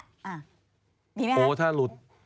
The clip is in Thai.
อ่ามีไหมครับโอ้ถ้าหลุด